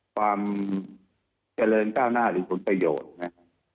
ความเกริร์จก้าวหน้าอยู่ผลประโยชน์เนี่ย